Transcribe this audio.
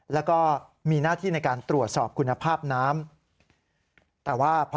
แล้วก็มีหน้าที่ในการตรวจสอบคุณภาพน้ำ